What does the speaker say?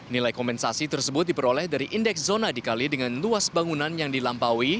nilai kompensasi tersebut diperoleh dari indeks zona dikali dengan luas bangunan yang dilampaui